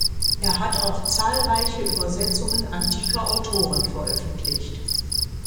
Er hat auch zahlreiche Übersetzungen antiker Autoren veröffentlicht.